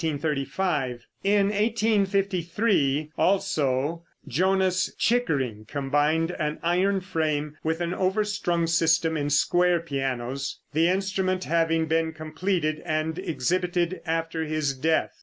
In 1853, also, Jonas Chickering combined an iron frame with an overstrung system in square pianos, the instrument having been completed and exhibited after his death.